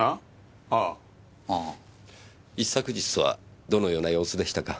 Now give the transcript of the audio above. あ？ああ。はあ。一昨日はどのような様子でしたか？